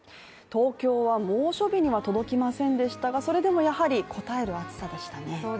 東京は猛暑日には届きませんでしたがそれでもやはりこたえる暑さでしたね。